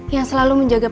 yang selalu melihat ibu ini